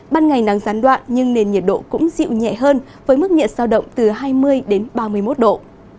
ban ngày nắng gián đoạn nhưng nền nhiệt độ cũng dịu nhẹ hơn với mức nhiệt sao động từ hai mươi đến ba mươi một độ